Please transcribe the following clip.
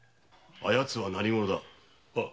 あやつ何者だ？